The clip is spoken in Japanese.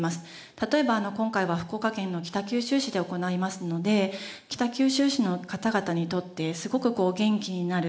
例えば今回は福岡県の北九州市で行いますので北九州市の方々にとってすごく元気になる。